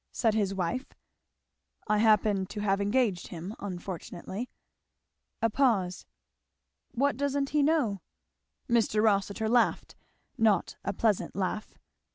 said his wife. "I happen to have engaged him, unfortunately." A pause. "What doesn't he know?" Mr. Rossitur laughed, not a pleasant laugh.